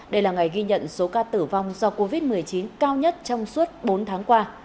đây là ngày ghi nhận số ca tử vong do covid một mươi chín cao nhất trong suốt bốn tháng qua